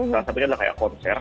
salah satunya adalah kayak konser